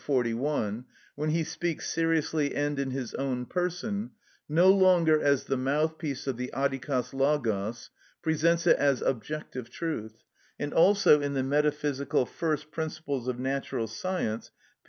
541), when he speaks seriously and in his own person, no longer as the mouthpiece of the αδικος λογος, presents it as objective truth; and also in the "Metaphysical First Principles of Natural Science" (p.